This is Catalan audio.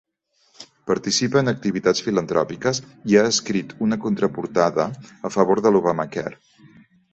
Participa en activitats filantròpiques i ha escrit una contraportada a favor de l'Obamacare.